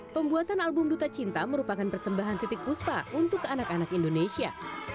pembuatan album duta cinta merupakan persembahan titik puspa untuk anak anak indonesia